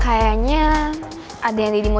kayaknya ada yang didi mau